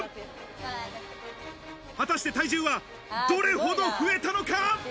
果たして体重は、どれ程増えたのか？